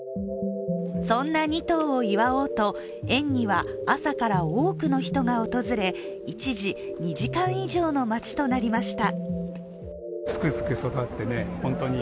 そんな２頭を祝おうと園には朝から多くの人が訪れ一時、２時間以上の待ちとなりました。